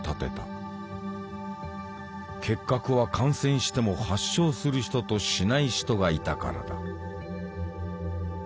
結核は感染しても発症する人としない人がいたからだ。